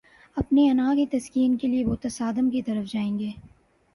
اپنی انا کی تسکین کے لیے وہ تصادم کی طرف جائیں گے۔